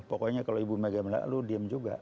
pokoknya kalau ibu mega bilang lo diem juga